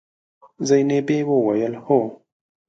زينبې وويل: هو.